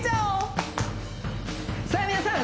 さあ皆さん